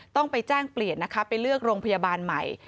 ต้องไปแจ้งเปลี่ยนนะคะไปเลือกโรงพยาบาลใหม่